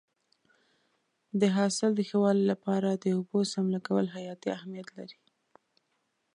د حاصل د ښه والي لپاره د اوبو سم لګول حیاتي اهمیت لري.